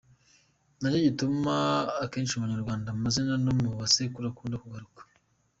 Ninacyo gituma, akenshi mu Banyarwanda, amazina yo mu bisekuru akunda kugaruka.